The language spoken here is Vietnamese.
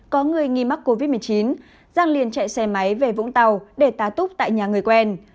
có người nghi mắc covid một mươi chín giang liền chạy xe máy về vũng tàu để tá túc tại nhà người quen